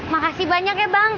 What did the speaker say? makasih banyak ya bang